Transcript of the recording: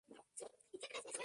Diadema ducal.